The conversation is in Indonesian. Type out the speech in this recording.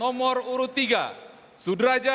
hadirin langsung saja